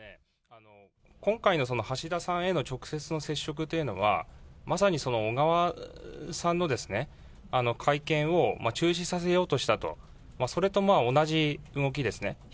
今回のその橋田さんへの直接の接触というのは、まさにその小川さんの会見を中止させようとしたと、それと同じ動きですね。